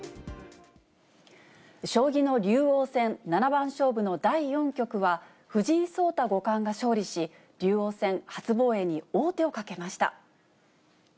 将棋の竜王戦、七番勝負の第４局は、藤井聡太五冠が勝利し、竜王戦、初防衛に王手をかけました。